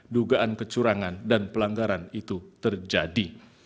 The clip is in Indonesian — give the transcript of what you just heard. dugaan kecurangan dan pelanggaran itu terjadi